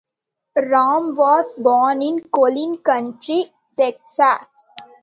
Ramm was born in Collin County, Texas.